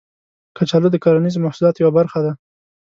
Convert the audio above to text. کچالو د کرنیزو محصولاتو یوه برخه ده